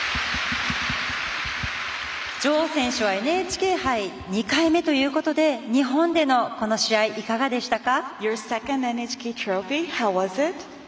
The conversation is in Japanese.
ジョウ選手はＮＨＫ杯２回目ということで日本でのこの試合いかがでしたか。